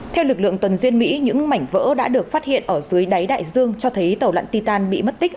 theo lực lượng tuần duyên mỹ những mảnh vỡ đã được phát hiện ở dưới đáy đại dương cho thấy tàu lãn titan bị mất tích